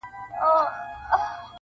یو شمس الدین وم په کندهار کي -